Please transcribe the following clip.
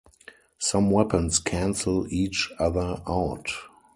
Some weapons cancel each other out.